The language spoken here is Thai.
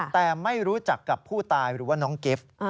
แต่ไม่รู้จักกับผู้ตายหรือว่าน้องกิฟต์